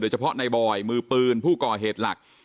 เฉพาะในบอยมือปืนผู้ก่อเหตุหลัก